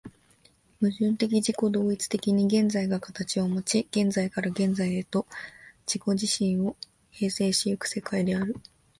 矛盾的自己同一的に現在が形をもち、現在から現在へと自己自身を形成し行く世界である。